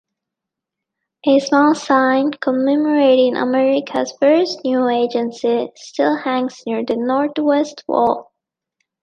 A small sign commemorating America's first news agency still hangs near the northwest wall.